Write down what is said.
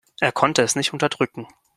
Er konnte es nicht unterdrücken.